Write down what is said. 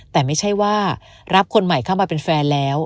แต่ไม่ใช่ว่ารับคนใหม่เข้ามาเป็นแฟนแล้ว